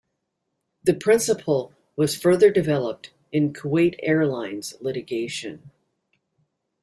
The principle was further developed in "Kuwait Airlines" litigation.